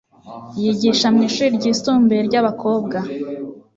Yigisha mwishuri ryisumbuye ryabakobwa.